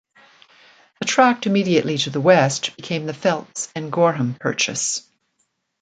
The tract immediately to the west became the Phelps and Gorham Purchase.